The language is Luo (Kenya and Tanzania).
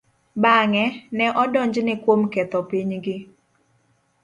Bang'e, ne odonjne kuom ketho pinygi.